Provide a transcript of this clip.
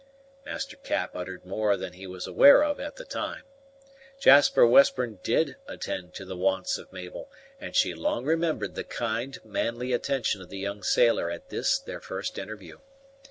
Master Cap uttered more than he was aware of at the time. Jasper Western did attend to the wants of Mabel, and she long remembered the kind, manly attention of the young sailor at this their first interview.